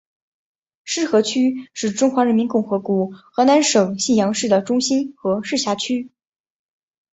浉河区是中华人民共和国河南省信阳市的中心和市辖区。